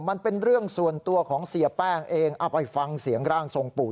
มันเป็นเรื่องส่วนตัวของเสียแป้งเองเอาไปฟังเสียงร่างทรงปู่